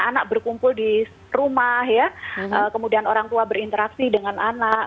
anak berkumpul di rumah ya kemudian orang tua berinteraksi dengan anak